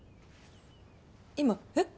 今えっ？